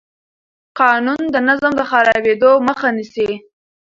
قانون د نظم د خرابېدو مخه نیسي.